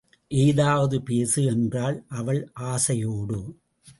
ஏதாவது பேசு! என்றாள் அவள் ஆசையோடு.